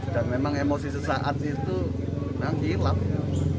dan memang emosi sesaat itu memang hilang